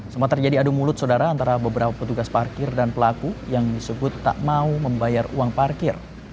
sempat terjadi adu mulut saudara antara beberapa petugas parkir dan pelaku yang disebut tak mau membayar uang parkir